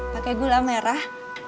pakai gula merah